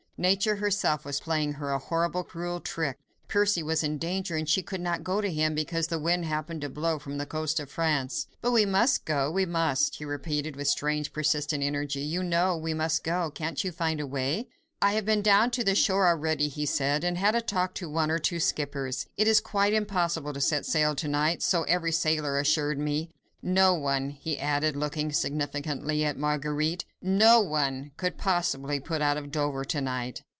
Nature herself was playing her a horrible, cruel trick. Percy was in danger, and she could not go to him, because the wind happened to blow from the coast of France. "But we must go!—we must!" she repeated with strange, persistent energy, "you know, we must go!—can't you find a way?" "I have been down to the shore already," he said, "and had a talk to one or two skippers. It is quite impossible to set sail to night, so every sailor assured me. No one," he added, looking significantly at Marguerite, "no one could possibly put out of Dover to night."